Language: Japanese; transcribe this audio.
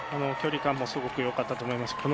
距離感もすごくよかったと思います。